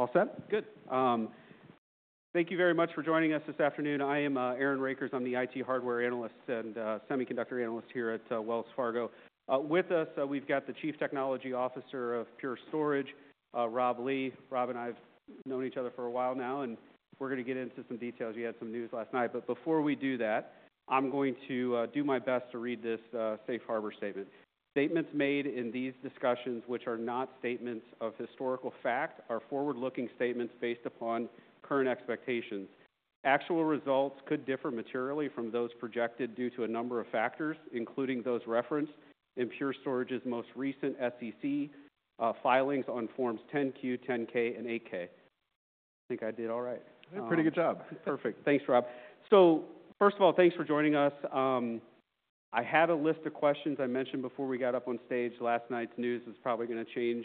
All set? Good. Thank you very much for joining us this afternoon. I am Aaron Rakers. I'm the IT hardware analyst and semiconductor analyst here at Wells Fargo. With us, we've got the Chief Technology Officer of Pure Storage, Rob Lee. Rob and I have known each other for a while now, and we're gonna get into some details. You had some news last night. But before we do that, I'm going to do my best to read this safe harbor statement. Statements made in these discussions, which are not statements of historical fact, are forward-looking statements based upon current expectations. Actual results could differ materially from those projected due to a number of factors, including those referenced in Pure Storage's most recent SEC filings on forms 10-Q, 10-K, and 8-K. I think I did all right. Pretty good job. Perfect. Thanks, Rob. So first of all, thanks for joining us. I had a list of questions I mentioned before we got up on stage. Last night's news is probably gonna change,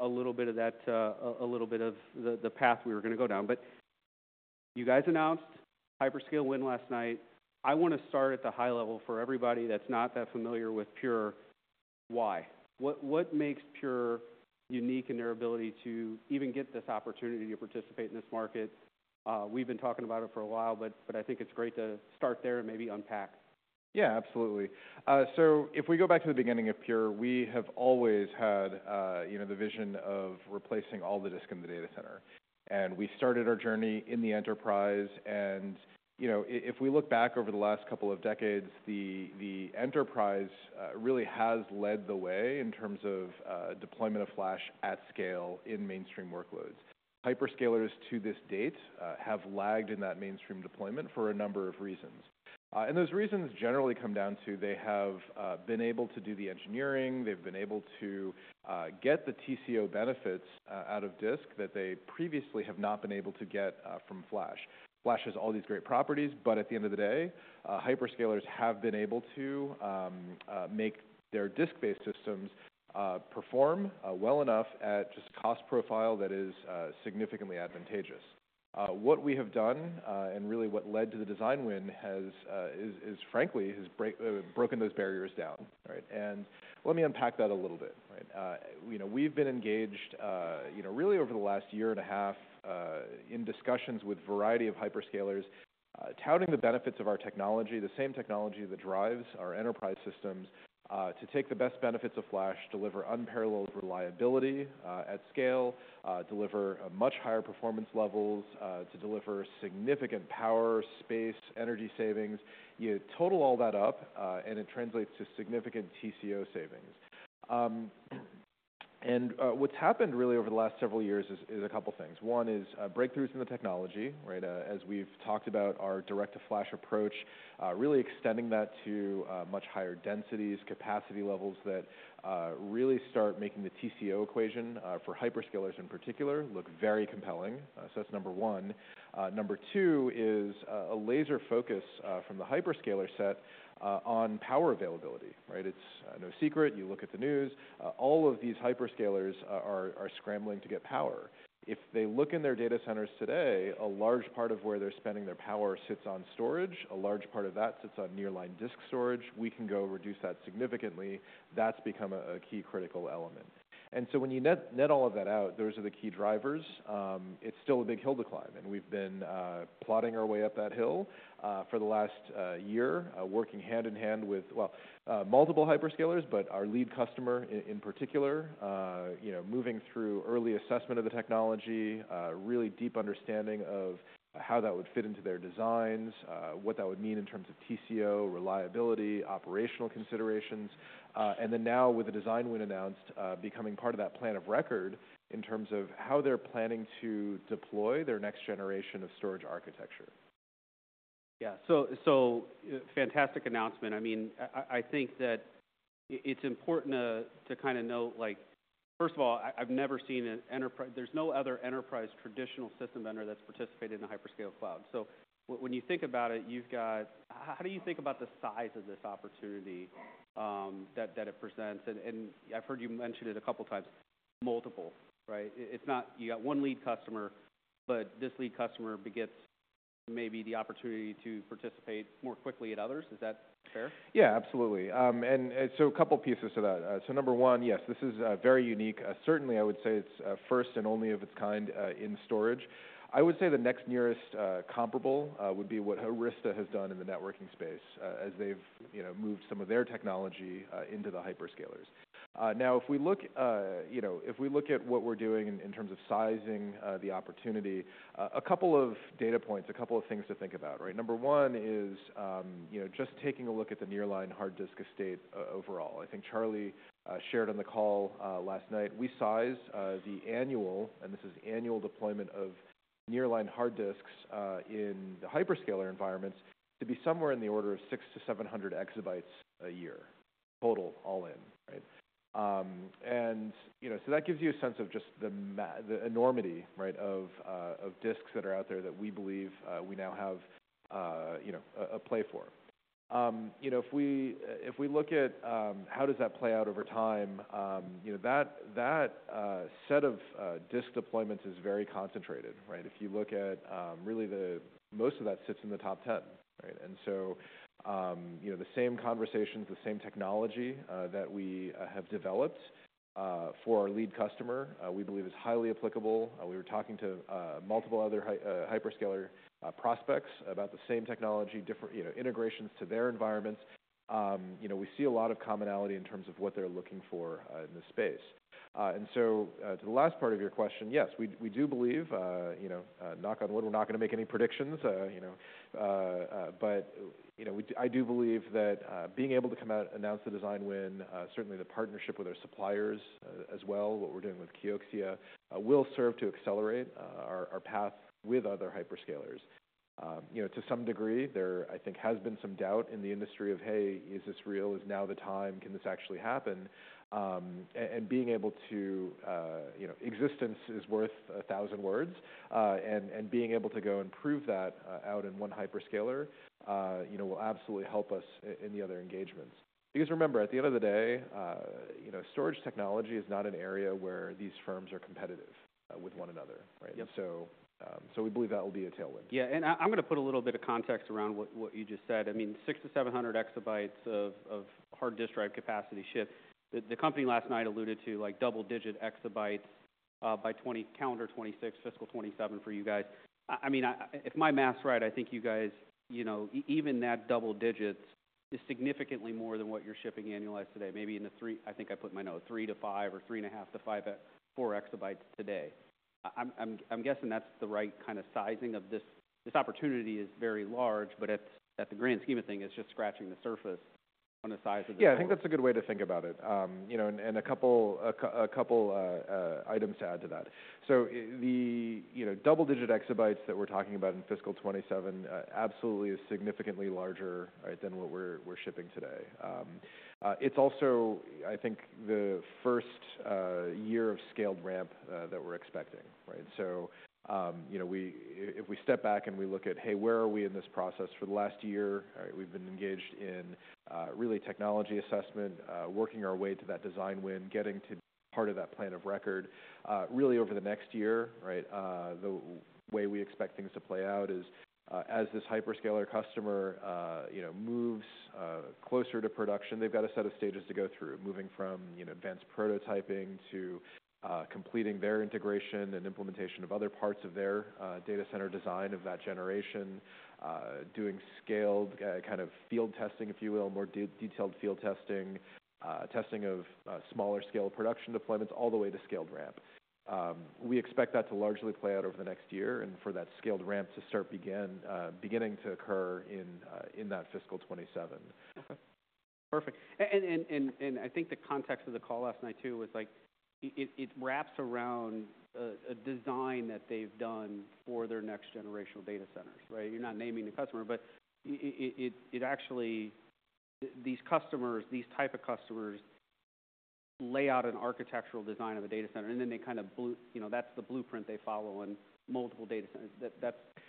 a little bit of that, a little bit of the path we were gonna go down. But you guys announced hyperscale win last night. I wanna start at the high level for everybody that's not that familiar with Pure. Why? What makes Pure unique in their ability to even get this opportunity to participate in this market? We've been talking about it for a while, but I think it's great to start there and maybe unpack. Yeah, absolutely. So if we go back to the beginning of Pure, we have always had, you know, the vision of replacing all the disk in the data center. And we started our journey in the enterprise. And, you know, if we look back over the last couple of decades, the enterprise really has led the way in terms of deployment of flash at scale in mainstream workloads. Hyperscalers to this date have lagged in that mainstream deployment for a number of reasons. And those reasons generally come down to they have been able to do the engineering. They've been able to get the TCO benefits out of disk that they previously have not been able to get from flash. Flash has all these great properties, but at the end of the day, hyperscalers have been able to make their disk-based systems perform well enough at just a cost profile that is significantly advantageous. What we have done, and really what led to the design win, is frankly broken those barriers down, right? And let me unpack that a little bit, right? You know, we've been engaged, you know, really over the last year and a half, in discussions with a variety of hyperscalers, touting the benefits of our technology, the same technology that drives our enterprise systems, to take the best benefits of flash, deliver unparalleled reliability at scale, deliver much higher performance levels, to deliver significant power, space, energy savings. You total all that up, and it translates to significant TCO savings. And what's happened really over the last several years is a couple things. One is breakthroughs in the technology, right? As we've talked about our direct-to-flash approach, really extending that to much higher densities, capacity levels that really start making the TCO equation for hyperscalers in particular look very compelling. So that's number one. Number two is a laser focus from the hyperscaler set on power availability, right? It's no secret. You look at the news. All of these hyperscalers are scrambling to get power. If they look in their data centers today, a large part of where they're spending their power sits on storage. A large part of that sits on nearline disk storage. We can go reduce that significantly. That's become a key critical element. And so when you net all of that out, those are the key drivers. It's still a big hill to climb, and we've been plotting our way up that hill for the last year, working hand in hand with well, multiple hyperscalers, but our lead customer in particular, you know, moving through early assessment of the technology, really deep understanding of how that would fit into their designs, what that would mean in terms of TCO, reliability, operational considerations, and then now with the design win announced, becoming part of that plan of record in terms of how they're planning to deploy their next generation of storage architecture. Yeah. So fantastic announcement. I mean, I think that it's important to kinda note, like, first of all, I've never seen an enterprise. There's no other enterprise traditional system vendor that's participated in a hyperscale cloud. So when you think about it, you've got how do you think about the size of this opportunity that it presents? And I've heard you mention it a couple times, multiple, right? It's not you got one lead customer, but this lead customer begets maybe the opportunity to participate more quickly at others. Is that fair? Yeah, absolutely. And so a couple pieces to that. So number one, yes, this is very unique. Certainly, I would say it's first and only of its kind in storage. I would say the next nearest comparable would be what Arista has done in the networking space, as they've you know moved some of their technology into the hyperscalers. Now, if we look you know if we look at what we're doing in terms of sizing the opportunity, a couple of data points, a couple of things to think about, right? Number one is you know just taking a look at the nearline hard disk estate overall. I think Charlie shared on the call last night. We size the annual deployment of nearline hard disks in the hyperscaler environments to be somewhere in the order of 6-700 exabytes a year total, all in, right? And you know, so that gives you a sense of just the enormity, right, of disks that are out there that we believe we now have, you know, a play for. You know, if we look at how does that play out over time, you know, that set of disk deployments is very concentrated, right? If you look at, really the most of that sits in the top 10, right? And so, you know, the same conversations, the same technology that we have developed for our lead customer, we believe is highly applicable. We were talking to multiple other hyperscaler prospects about the same technology, different, you know, integrations to their environments. You know, we see a lot of commonality in terms of what they're looking for, in this space. And so, to the last part of your question, yes, we do believe, you know, knock on wood, we're not gonna make any predictions, you know, but, you know, I do believe that, being able to come out, announce the design win, certainly the partnership with our suppliers, as well, what we're doing with Kioxia, will serve to accelerate, our path with other hyperscalers. You know, to some degree, there, I think, has been some doubt in the industry of, "Hey, is this real? Is now the time? Can this actually happen?" and being able to, you know, existence is worth a thousand words. And being able to go and prove that out in one hyperscaler, you know, will absolutely help us in the other engagements. Because remember, at the end of the day, you know, storage technology is not an area where these firms are competitive with one another, right? Yep. And so, we believe that will be a tailwind. Yeah. I'm going to put a little bit of context around what you just said. I mean, six-700 exabytes of hard disk drive capacity ship. The company last night alluded to, like, double-digit exabytes by 2025, calendar 2026, fiscal 2027 for you guys. I mean, if my math's right, I think you guys, you know, even that double digits is significantly more than what you're shipping annualized today, maybe in the three. I think I put in my note, three to five or three and a half to five to four exabytes today. I'm guessing that's the right kinda sizing of this. This opportunity is very large, but at the grand scheme of things, it's just scratching the surface on the size of the. Yeah, I think that's a good way to think about it, you know, and a couple items to add to that. So, the, you know, double-digit exabytes that we're talking about in fiscal 2027, absolutely is significantly larger, right, than what we're shipping today. It's also, I think, the first year of scaled ramp that we're expecting, right? So, you know, if we step back and we look at, "Hey, where are we in this process?" For the last year, right, we've been engaged in really technology assessment, working our way to that design win, getting to part of that Plan of Record. Really over the next year, right, the way we expect things to play out is, as this hyperscaler customer, you know, moves closer to production, they've got a set of stages to go through, moving from, you know, advanced prototyping to completing their integration and implementation of other parts of their data center design of that generation, doing scaled, kind of field testing, if you will, more detailed field testing, testing of smaller scale production deployments all the way to scaled ramp. We expect that to largely play out over the next year and for that scaled ramp to start beginning to occur in that fiscal 2027. Okay. Perfect. And I think the context of the call last night too was, like, it wraps around a design that they've done for their next generation of data centers, right? You're not naming the customer, but actually these customers, these type of customers lay out an architectural design of the data center, and then they kinda, you know, that's the blueprint they follow in multiple data centers.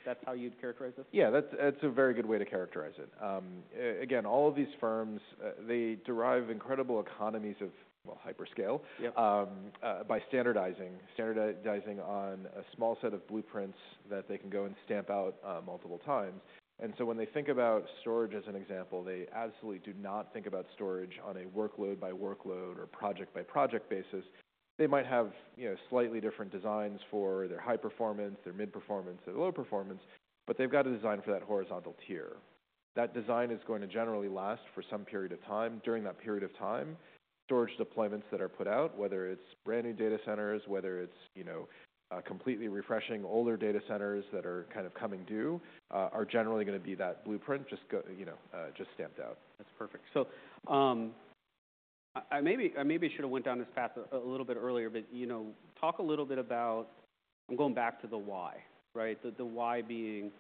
That's how you'd characterize this? Yeah, that's a very good way to characterize it. Again, all of these firms, they derive incredible economies of, well, hyperscale. Yep. By standardizing on a small set of blueprints that they can go and stamp out multiple times. So when they think about storage as an example, they absolutely do not think about storage on a workload-by-workload or project-by-project basis. They might have, you know, slightly different designs for their high performance, their mid-performance, their low performance, but they've got a design for that horizontal tier. That design is going to generally last for some period of time. During that period of time, storage deployments that are put out, whether it's brand new data centers, whether it's, you know, completely refreshing older data centers that are kind of coming due, are generally gonna be that blueprint, just, you know, just stamped out. That's perfect. So, maybe I should've went down this path a little bit earlier, but, you know, talk a little bit about I'm going back to the why, right? The why being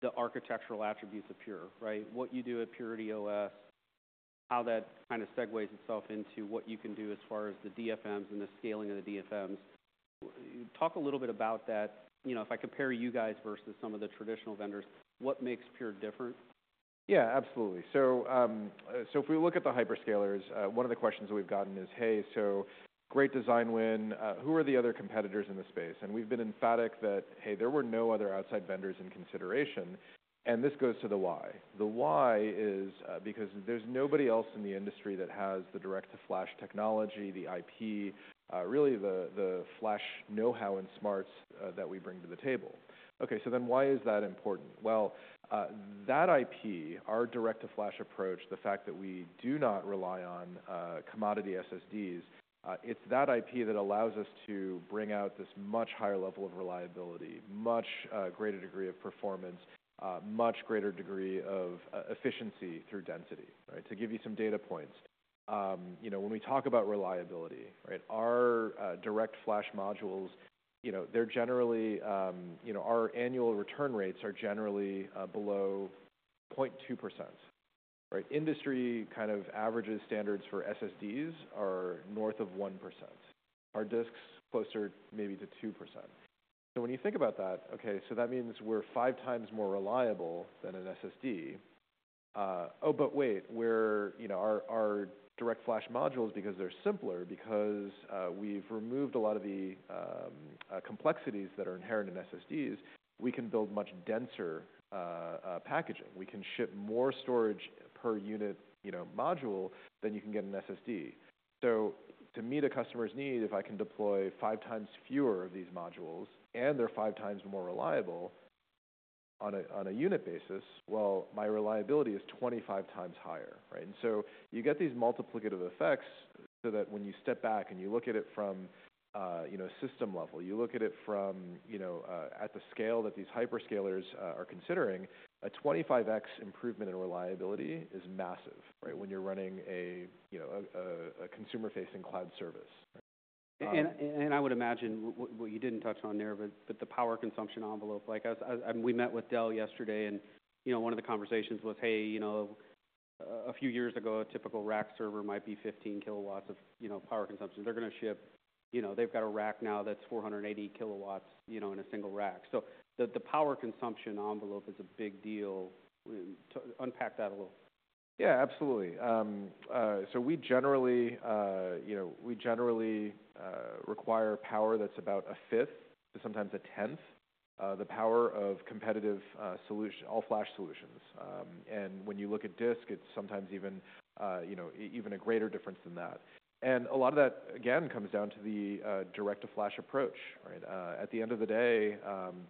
the architectural attributes of Pure, right? What you do at Purity OS, how that kinda segues itself into what you can do as far as the DFMs and the scaling of the DFMs. Talk a little bit about that. You know, if I compare you guys versus some of the traditional vendors, what makes Pure different? Yeah, absolutely. So, so if we look at the hyperscalers, one of the questions we've gotten is, "Hey, so great design win. Who are the other competitors in the space?" And we've been emphatic that, "Hey, there were no other outside vendors in consideration." And this goes to the why. The why is, because there's nobody else in the industry that has the direct-to-flash technology, the IP, really the flash know-how and smarts, that we bring to the table. Okay, so then why is that important? Well, that IP, our direct-to-flash approach, the fact that we do not rely on commodity SSDs, it's that IP that allows us to bring out this much higher level of reliability, much greater degree of performance, much greater degree of efficiency through density, right? To give you some data points, you know, when we talk about reliability, right, our DirectFlash modules, you know, they're generally, you know, our annual return rates are generally below 0.2%, right? Industry kind of averages standards for SSDs are north of 1%. Hard disks closer maybe to 2%. So when you think about that, okay, so that means we're five times more reliable than an SSD. Oh, but wait, we're, you know, our DirectFlash Modules, because they're simpler, we've removed a lot of the complexities that are inherent in SSDs, we can build much denser packaging. We can ship more storage per unit, you know, module than you can get in an SSD. So to meet a customer's need, if I can deploy five times fewer of these modules and they're five times more reliable on a unit basis, well, my reliability is 25 times higher, right? And so you get these multiplicative effects so that when you step back and you look at it from, you know, system level, at the scale that these hyperscalers are considering, a 25X improvement in reliability is massive, right, when you're running a, you know, consumer-facing cloud service, right? And I would imagine what you didn't touch on there, but the power consumption envelope. Like, as we met with Dell yesterday, and you know, one of the conversations was, "Hey, you know, a few years ago, a typical rack server might be 15 kilowatts of power consumption. They're gonna ship, you know, they've got a rack now that's 480 kilowatts in a single rack." So the power consumption envelope is a big deal. I mean, to unpack that a little. Yeah, absolutely. So we generally, you know, require power that's about a fifth to sometimes a tenth the power of competitive solution all-flash solutions, and when you look at disk, it's sometimes even, you know, even a greater difference than that, and a lot of that, again, comes down to the direct-to-flash approach, right? At the end of the day,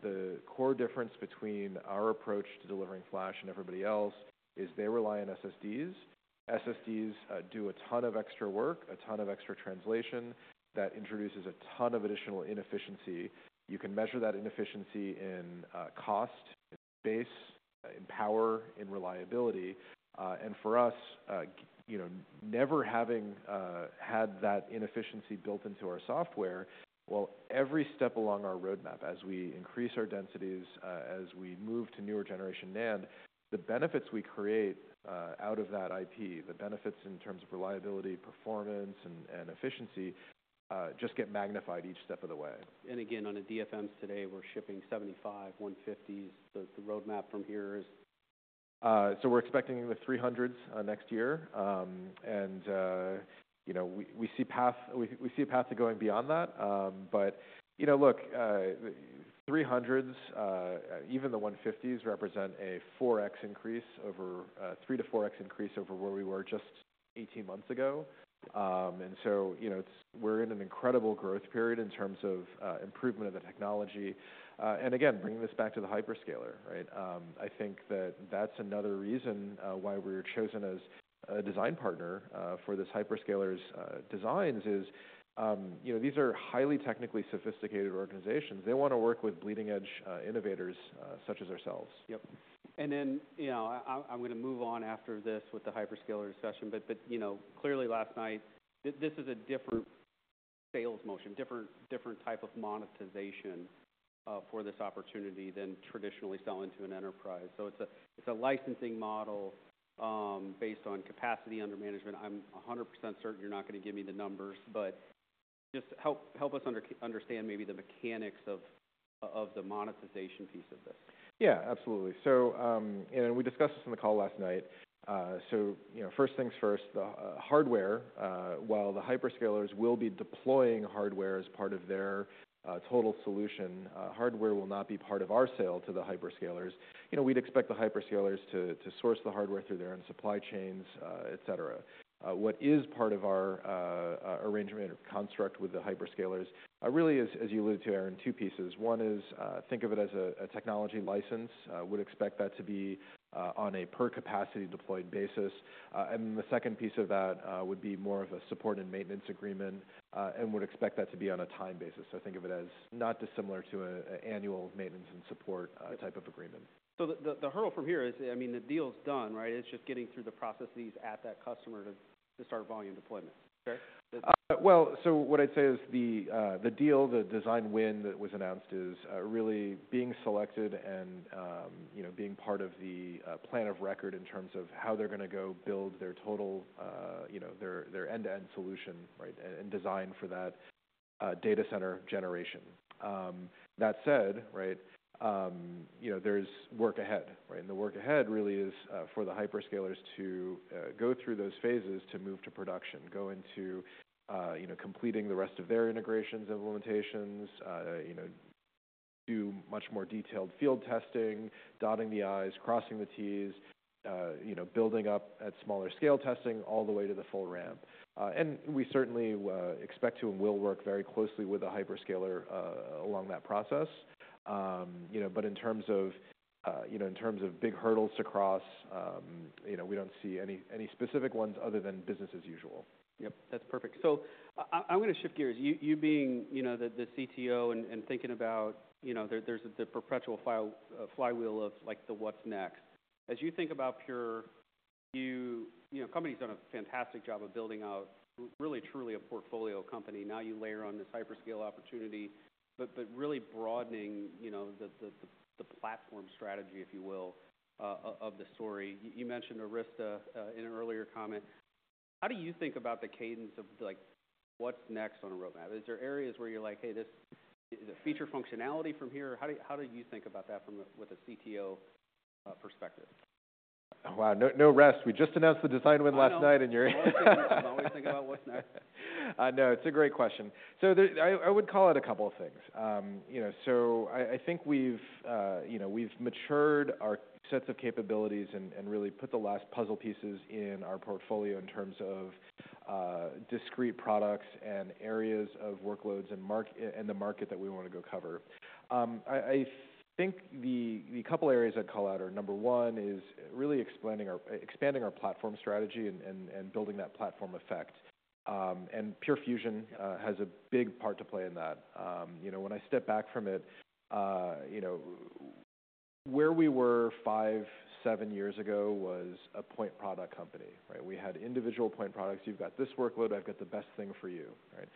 the core difference between our approach to delivering flash and everybody else is they rely on SSDs. SSDs do a ton of extra work, a ton of extra translation that introduces a ton of additional inefficiency. You can measure that inefficiency in cost, in space, in power, in reliability. And for us, you know, never having had that inefficiency built into our software, well, every step along our roadmap, as we increase our densities, as we move to newer generation NAND, the benefits we create out of that IP, the benefits in terms of reliability, performance, and efficiency, just get magnified each step of the way. Again, on the DFMs today, we're shipping 75, 150s. The roadmap from here is. We're expecting the 300s next year. You know, we see a path to going beyond that. But you know, look, the 300s, even the 150s represent a 3X-4X increase over where we were just 18 months ago. So you know, we're in an incredible growth period in terms of improvement of the technology. And again, bringing this back to the hyperscaler, right? I think that's another reason why we were chosen as a design partner for this hyperscaler's designs, is you know, these are highly technically sophisticated organizations. They wanna work with bleeding edge innovators such as ourselves. Yep. And then, you know, I'm gonna move on after this with the hyperscaler discussion, but, but, you know, clearly last night, this is a different sales motion, different type of monetization, for this opportunity than traditionally selling to an enterprise. So it's a licensing model, based on capacity under management. I'm 100% certain you're not gonna give me the numbers, but just help us understand maybe the mechanics of, of the monetization piece of this. Yeah, absolutely. So, and we discussed this on the call last night. So, you know, first things first, the hardware, while the hyperscalers will be deploying hardware as part of their total solution, hardware will not be part of our sale to the hyperscalers. You know, we'd expect the hyperscalers to source the hardware through their own supply chains, etc. What is part of our arrangement or construct with the hyperscalers really is, as you alluded to, Aaron, two pieces. One is, think of it as a technology license. Would expect that to be on a per-capacity-deployed basis. And then the second piece of that would be more of a support and maintenance agreement, and would expect that to be on a time basis. So think of it as not dissimilar to an annual maintenance and support type of agreement. So the hurdle from here is, I mean, the deal's done, right? It's just getting through the processes at that customer to start volume deployments, correct? Well, so what I'd say is the deal, the design win that was announced is really being selected and, you know, being part of the plan of record in terms of how they're gonna go build their total, you know, their end-to-end solution, right, and design for that data center generation. That said, right, you know, there's work ahead, right? The work ahead really is for the hyperscalers to go through those phases to move to production, go into, you know, completing the rest of their integrations, implementations, you know, do much more detailed field testing, dotting the i's, crossing the t's, you know, building up at smaller scale testing all the way to the full ramp. We certainly expect to and will work very closely with the hyperscaler along that process. You know, but in terms of, you know, in terms of big hurdles to cross, you know, we don't see any specific ones other than business as usual. Yep. That's perfect. So I'm gonna shift gears. You being, you know, the CTO and thinking about, you know, there's the perpetual file flywheel of, like, the what's next. As you think about Pure, you know, company's done a fantastic job of building out really truly a portfolio company. Now you layer on this hyperscale opportunity, but really broadening, you know, the platform strategy, if you will, of the story. You mentioned Arista in an earlier comment. How do you think about the cadence of, like, what's next on a roadmap? Is there areas where you're like, "Hey, this is it feature functionality from here?" How do you think about that from a CTO perspective? Wow, no, no rest. We just announced the design win last night, and you're. I'm always thinking about what's next. No, it's a great question. So, I would call it a couple of things. You know, so I think we've, you know, we've matured our sets of capabilities and really put the last puzzle pieces in our portfolio in terms of discrete products and areas of workloads and market and the market that we wanna go cover. I think the couple areas I'd call out are number one is really explaining our expanding our platform strategy and building that platform effect. And Pure Fusion has a big part to play in that. You know, when I step back from it, you know, where we were five, seven years ago was a point product company, right? We had individual point products. You've got this workload. I've got the best thing for you, right?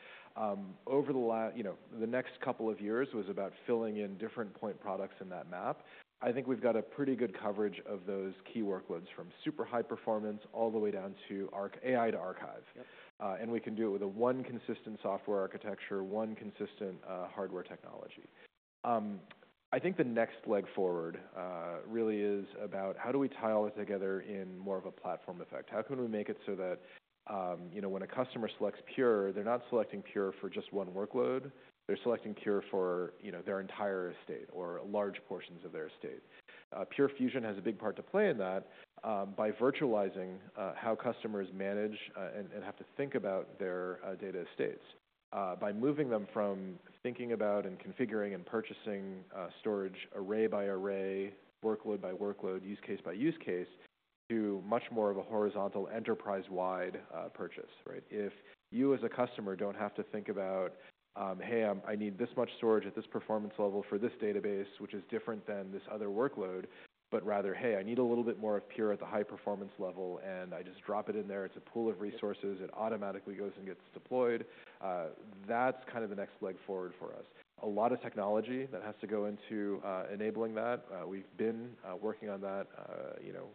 Over the last, you know, the next couple of years was about filling in different point products in that map. I think we've got a pretty good coverage of those key workloads from super high performance all the way down to our AI to archive. Yep. And we can do it with one consistent software architecture, one consistent hardware technology. I think the next leg forward really is about how do we tie all this together in more of a platform effect? How can we make it so that, you know, when a customer selects Pure, they're not selecting Pure for just one workload. They're selecting Pure for, you know, their entire estate or large portions of their estate. Pure Fusion has a big part to play in that, by virtualizing how customers manage and have to think about their data estates, by moving them from thinking about and configuring and purchasing storage array by array, workload by workload, use case by use case to much more of a horizontal enterprise-wide purchase, right? If you as a customer don't have to think about, "Hey, I need this much storage at this performance level for this database, which is different than this other workload," but rather, "Hey, I need a little bit more of Pure at the high performance level, and I just drop it in there. It's a pool of resources. It automatically goes and gets deployed." That's kind of the next leg forward for us. A lot of technology that has to go into enabling that. We've been working on that, you know,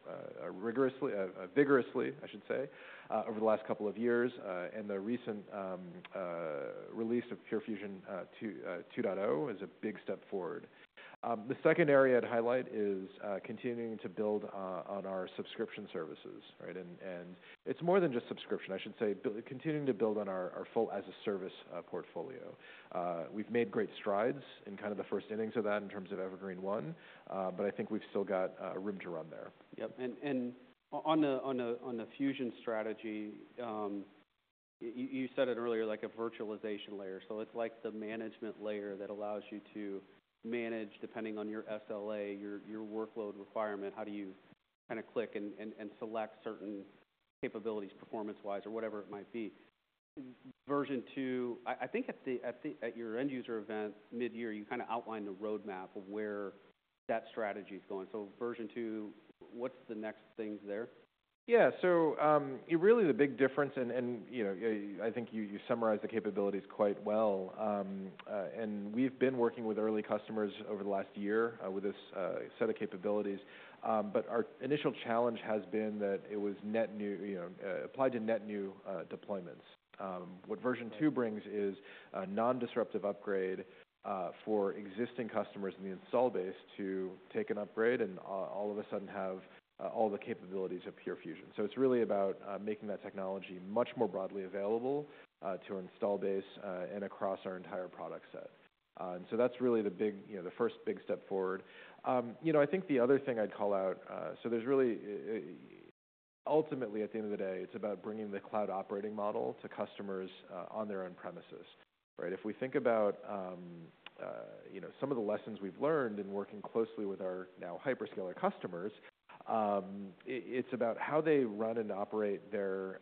rigorously, vigorously, I should say, over the last couple of years. And the recent release of Pure Fusion 2.0 is a big step forward. The second area I'd highlight is continuing to build on our subscription services, right? And it's more than just subscription. I should say, continuing to build on our full as-a-service portfolio. We've made great strides in kind of the first innings of that in terms of Evergreen One, but I think we've still got room to run there. Yep. And on the Fusion strategy, you said it earlier, like a virtualization layer. So it's like the management layer that allows you to manage, depending on your SLA, your workload requirement, how do you kind of click and select certain capabilities performance-wise or whatever it might be. Version two, I think at your end-user event mid-year, you kind of outlined a roadmap of where that strategy's going. So version two, what's the next things there? Yeah. So, you really see the big difference, and you know, I think you summarized the capabilities quite well, and we've been working with early customers over the last year with this set of capabilities, but our initial challenge has been that it was net new, you know, applied to net new deployments. What version two brings is a non-disruptive upgrade for existing customers in the installed base to take an upgrade and all of a sudden have all the capabilities of Pure Fusion, so it's really about making that technology much more broadly available to our installed base and across our entire product set, and so that's really the big, you know, the first big step forward. You know, I think the other thing I'd call out, so there's really, ultimately, at the end of the day, it's about bringing the cloud operating model to customers on their own premises, right? If we think about, you know, some of the lessons we've learned in working closely with our now hyperscaler customers, it's about how they run and operate their,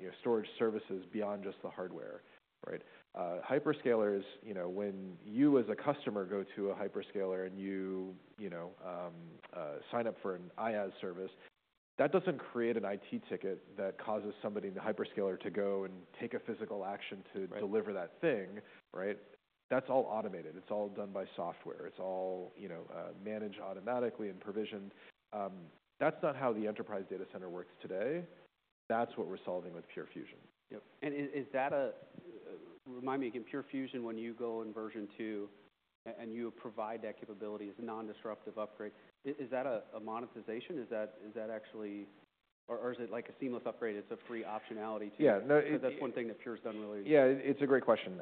you know, storage services beyond just the hardware, right? Hyperscalers, you know, when you as a customer go to a hyperscaler and you, you know, sign up for an IaaS service, that doesn't create an IT ticket that causes somebody in the hyperscaler to go and take a physical action to deliver that thing, right? That's all automated. It's all done by software. It's all, you know, managed automatically and provisioned. That's not how the enterprise data center works today. That's what we're solving with Pure Fusion. Yep. And is that, remind me again, Pure Fusion, when you go in version two and you provide that capability as a non-disruptive upgrade, is that a monetization? Is that actually or is it like a seamless upgrade? It's a free optionality too? Yeah. No, it. So that's one thing that Pure's done really. Yeah. It's a great question.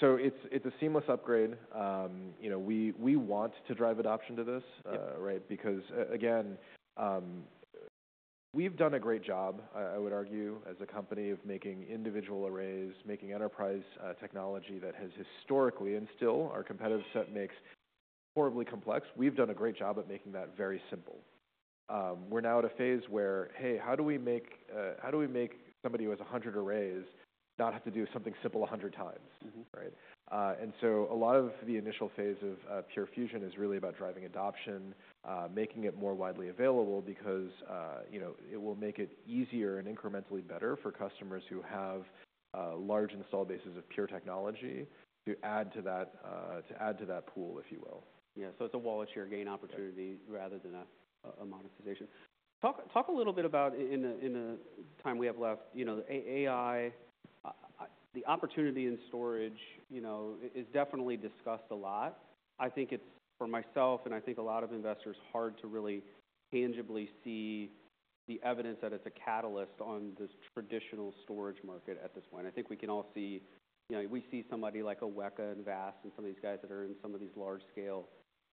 So it's a seamless upgrade. You know, we want to drive adoption to this, right? Because, again, we've done a great job. I would argue as a company of making individual arrays, making enterprise technology that has historically and still our competitive set makes horribly complex. We've done a great job at making that very simple. We're now at a phase where, hey, how do we make somebody who has 100 arrays not have to do something simple 100 times, right? Mm-hmm. And so a lot of the initial phase of Pure Fusion is really about driving adoption, making it more widely available because, you know, it will make it easier and incrementally better for customers who have large installed bases of Pure technology to add to that, to add to that pool, if you will. Yeah. So it's a wallet share gain opportunity rather than a monetization. Talk a little bit about in the time we have left, you know, the AI opportunity in storage, you know, is definitely discussed a lot. I think it's, for myself and I think a lot of investors, hard to really tangibly see the evidence that it's a catalyst on this traditional storage market at this point. I think we can all see, you know, we see somebody like Weka and VAST and some of these guys that are in some of these large-scale,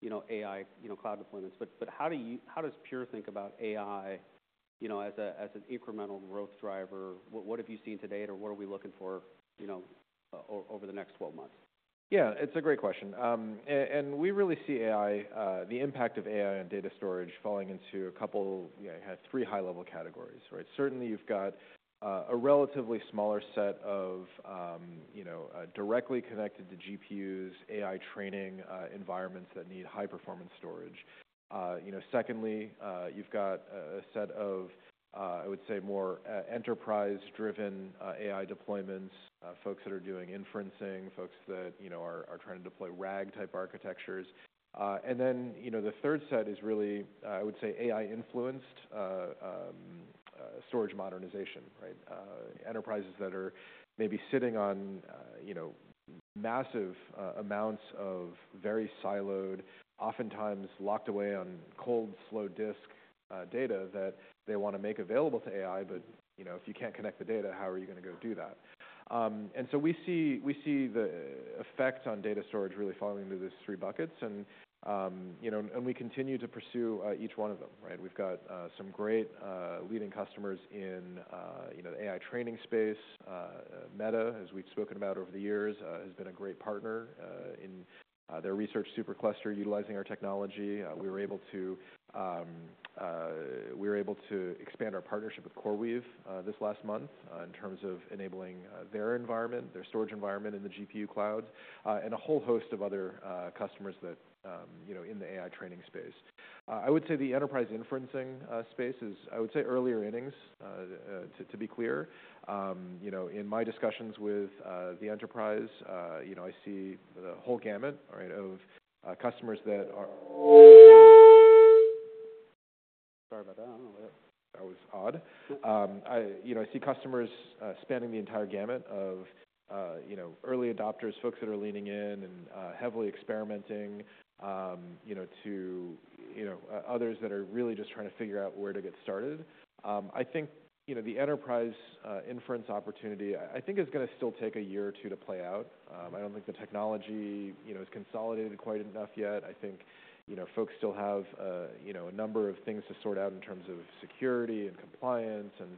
you know, AI, you know, cloud deployments. But how do you how does Pure think about AI, you know, as an incremental growth driver? What have you seen today, or what are we looking for, you know, over the next 12 months? Yeah. It's a great question. And we really see AI, the impact of AI on data storage falling into a couple, you know, I had three high-level categories, right? Certainly, you've got a relatively smaller set of, you know, directly connected to GPUs, AI training environments that need high-performance storage. You know, secondly, you've got a set of, I would say more enterprise-driven AI deployments, folks that are doing inferencing, folks that, you know, are trying to deploy RAG-type architectures. And then, you know, the third set is really, I would say AI-influenced storage modernization, right? Enterprises that are maybe sitting on, you know, massive amounts of very siloed, oftentimes locked away on cold, slow disk data that they wanna make available to AI, but, you know, if you can't connect the data, how are you gonna go do that? And so we see the effects on data storage really falling into these three buckets. And you know, we continue to pursue each one of them, right? We've got some great leading customers in you know the AI training space. Meta, as we've spoken about over the years, has been a great partner in their Research SuperCluster utilizing our technology. We were able to expand our partnership with CoreWeave this last month in terms of enabling their environment, their storage environment in the GPU clouds, and a whole host of other customers that you know in the AI training space. I would say the enterprise inferencing space is, I would say, earlier innings, to be clear. You know, in my discussions with the enterprise, you know, I see the whole gamut, right, of customers that are. Sorry about that. I don't know what that was odd. Nope. You know, I see customers spanning the entire gamut of early adopters, folks that are leaning in and heavily experimenting, you know, to others that are really just trying to figure out where to get started. I think the enterprise inference opportunity is gonna still take a year or two to play out. I don't think the technology is consolidated quite enough yet. I think folks still have a number of things to sort out in terms of security and compliance and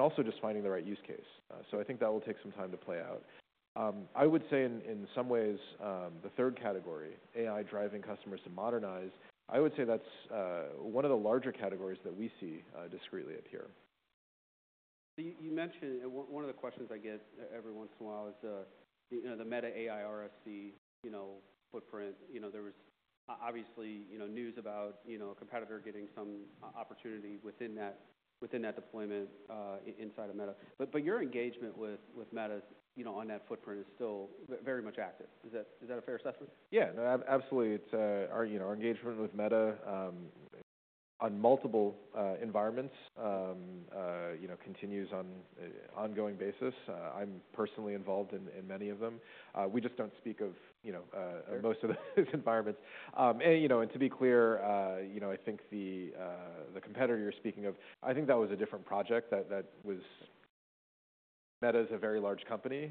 also just finding the right use case. So I think that will take some time to play out. I would say in some ways, the third category, AI driving customers to modernize, I would say that's one of the larger categories that we see distinctly appear. So you mentioned and one of the questions I get every once in a while is, you know, the Meta AI RSC, you know, footprint. You know, there was, obviously, you know, news about, you know, a competitor getting some opportunity within that deployment inside of Meta. But your engagement with Meta's, you know, on that footprint is still very much active. Is that a fair assessment? Yeah. No, absolutely. It's our, you know, our engagement with Meta on multiple environments, you know, continues on an ongoing basis. I'm personally involved in many of them. We just don't speak of, you know, most of those environments. And to be clear, you know, I think the competitor you're speaking of, I think that was a different project. That was Meta's. A very large company.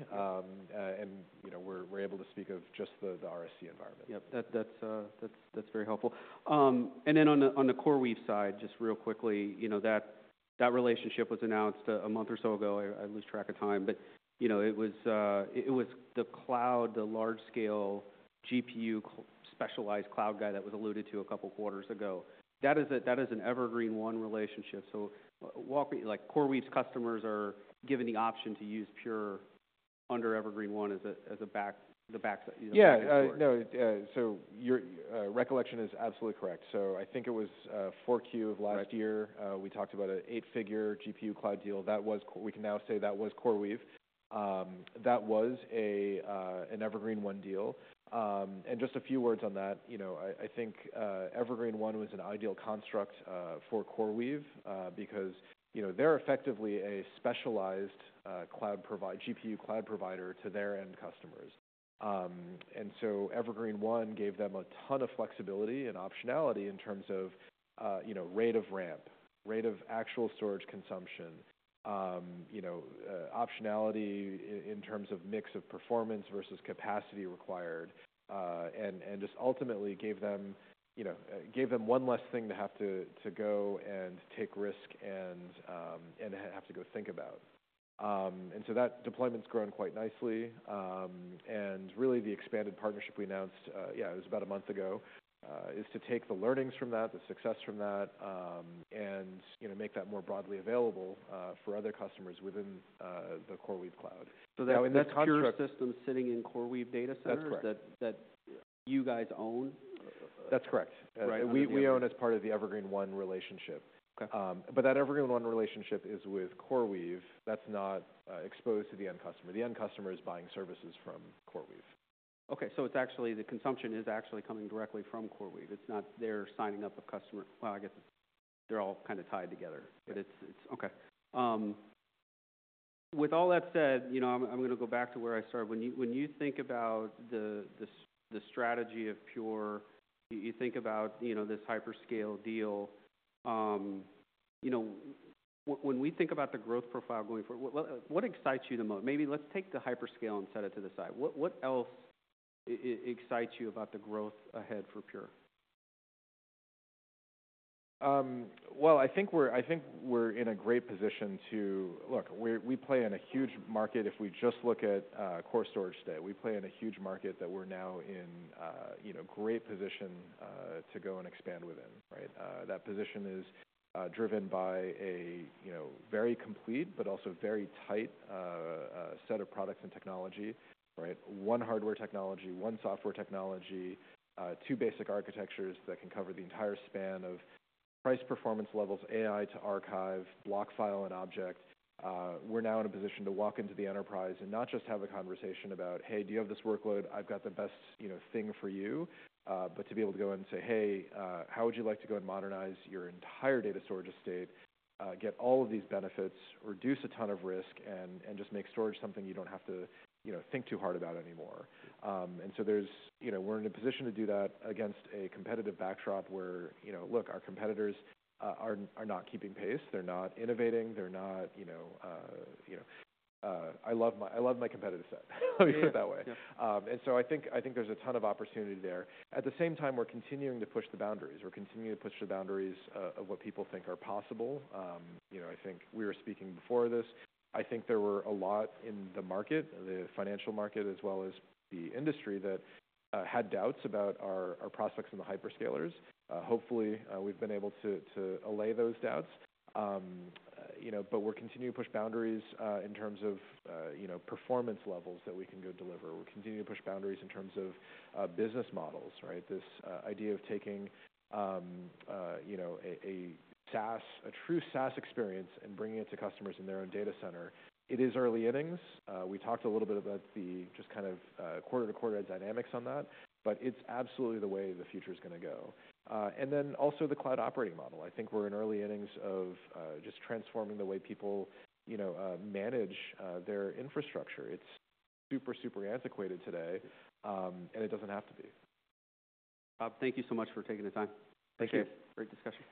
And, you know, we're able to speak of just the RSC environment. Yep. That's very helpful, and then on the CoreWeave side, just real quickly, you know, that relationship was announced a month or so ago. I lose track of time. But, you know, it was the cloud, the large-scale GPU specialized cloud guy that was alluded to a couple quarters ago. That is an Evergreen One relationship. So walk me like, CoreWeave's customers are given the option to use Pure under Evergreen One as a backend, you know, back support. Yeah, no, so your recollection is absolutely correct, so I think it was 4Q of last year. Right. We talked about an eight-figure GPU cloud deal. That was CoreWeave. We can now say that was CoreWeave. That was an Evergreen One deal. And just a few words on that. You know, I think Evergreen One was an ideal construct for CoreWeave, because, you know, they're effectively a specialized cloud provider, GPU cloud provider to their end customers. And so Evergreen One gave them a ton of flexibility and optionality in terms of, you know, rate of ramp, rate of actual storage consumption, you know, optionality in terms of mix of performance versus capacity required, and just ultimately gave them one less thing to have to go and take risk and have to go think about. And so that deployment's grown quite nicely. And really, the expanded partnership we announced, yeah, it was about a month ago, is to take the learnings from that, the success from that, and, you know, make that more broadly available for other customers within the CoreWeave cloud. So that's your. So now in that context. System sitting in CoreWeave data center? That's correct. That you guys own? That's correct. Right. And we own as part of the Evergreen One relationship. Okay. but that Evergreen One relationship is with CoreWeave. That's not exposed to the end customer. The end customer is buying services from CoreWeave. Okay, so it's actually the consumption is actually coming directly from CoreWeave. It's not they're signing up a customer, well, I guess it's they're all kind of tied together. Yeah. But it's okay. With all that said, you know, I'm gonna go back to where I started. When you think about the strategy of Pure, you think about, you know, this hyperscale deal, you know, when we think about the growth profile going forward, what excites you the most? Maybe let's take the hyperscale and set it to the side. What else excites you about the growth ahead for Pure? Well, I think we're in a great position. We play in a huge market. If we just look at core storage today, we play in a huge market that we're now in, you know, great position to go and expand within, right? That position is driven by a, you know, very complete but also very tight set of products and technology, right? One hardware technology, one software technology, two basic architectures that can cover the entire span of price performance levels, AI to archive, block file and object. We're now in a position to walk into the enterprise and not just have a conversation about, "Hey, do you have this workload? I've got the best, you know, thing for you," but to be able to go and say, "Hey, how would you like to go and modernize your entire data storage estate, get all of these benefits, reduce a ton of risk, and just make storage something you don't have to, you know, think too hard about anymore?" And so there's, you know, we're in a position to do that against a competitive backdrop where, you know, look, our competitors are not keeping pace. They're not innovating. They're not, you know, I love my competitive set. Let me put it that way. Yeah. And so I think there's a ton of opportunity there. At the same time, we're continuing to push the boundaries of what people think are possible. You know, I think we were speaking before this. I think there were a lot in the market, the financial market as well as the industry that had doubts about our prospects in the hyperscalers. Hopefully, we've been able to allay those doubts. You know, but we're continuing to push boundaries in terms of performance levels that we can deliver. We're continuing to push boundaries in terms of business models, right? This idea of taking a true SaaS experience and bringing it to customers in their own data center. It is early innings. We talked a little bit about the just kind of quarter-to-quarter dynamics on that, but it's absolutely the way the future's gonna go, and then also the cloud operating model. I think we're in early innings of just transforming the way people, you know, manage their infrastructure. It's super, super antiquated today, and it doesn't have to be. Rob, thank you so much for taking the time. Thank you. Appreciate it. Great discussion.